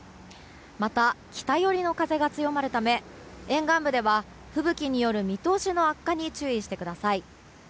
また、北寄りの風が強まるため沿岸部では吹雪による見通しの悪化に注意してください。